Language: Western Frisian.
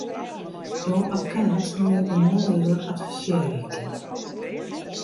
Jo abbekaat sil jo dêr neier oer advisearje kinne.